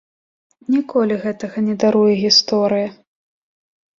Ніколі гэтага не даруе гісторыя!